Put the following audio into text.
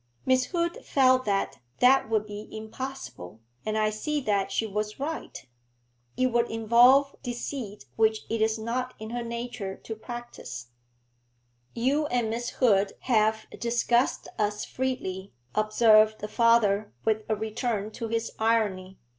Miss Hood felt that that would be impossible, and I see that she was right. It would involve deceit which it is not in her nature to practise.' 'You and Miss Hood have discussed us freely,' observed the father, with a return to his irony.